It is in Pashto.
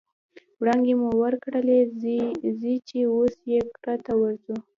وړانګې مو وکرلې ځي چې اوس یې کرته ورځو